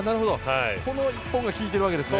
この１本がきいているわけですね。